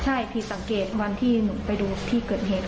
ใช่ผิดสังเกตวันที่หนูไปดูที่เกิดเหตุ